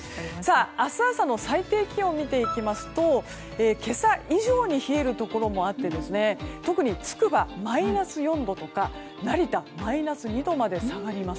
明日朝の最低気温を見ていきますと今朝以上に冷えるところもあって特につくば、マイナス４度とか成田、マイナス２度まで下がります。